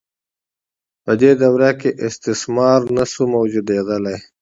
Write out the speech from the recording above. په دې دوره کې استثمار نشو موجودیدلای.